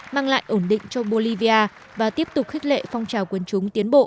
mang lại ổn định cho bolivia và tiếp tục khích lệ phong trào quân chúng tiến bộ